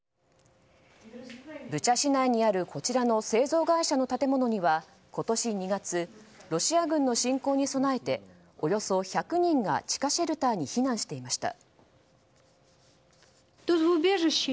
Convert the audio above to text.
ブチャ市内にあるこちらの製造会社の建物には今年２月ロシア軍の侵攻に備えておよそ１００人が地下シェルターに避難していました。